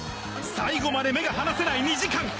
最後まで目が離せない２時間！